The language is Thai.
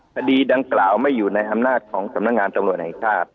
คดีดังกล่าวไม่อยู่ในอำนาจของสำนักงานตำรวจแห่งชาติ